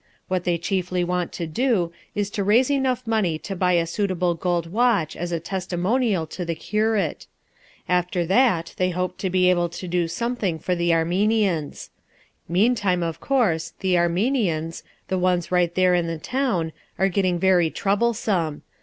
What they chiefly want to do, is to raise enough money to buy a suitable gold watch as a testimonial to the curate. After that they hope to be able to do something for the Armenians. Meantime, of course, the Armenians, the ones right there in the town, are getting very troublesome.